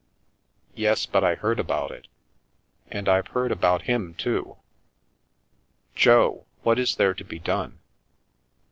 " Yes, but I heard about it. And I've heard about him too. Jo, what is there to be done